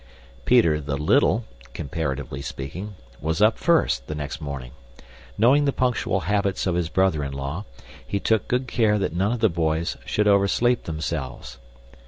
Peter the little (comparatively speaking) was up first, the next morning; knowing the punctual habits of his brother in law, he took good care that none of the boys should oversleep themselves.